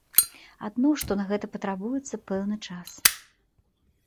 Адно што на гэта патрабуецца пэўны час.